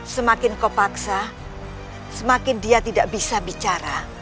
semakin kau paksa semakin dia tidak bisa bicara